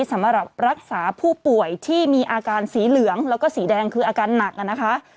สำหรับรักษาผู้ป่วยที่มีอาการสีเหลืองแล้วก็สีแดงคืออาการหนักนะคะ